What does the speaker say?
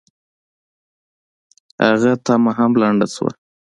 هغه تمه هم لنډه شوه.